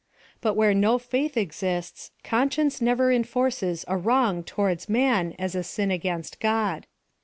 But where no faith exists, conscience never enforces a wrong towards man as a sin against God.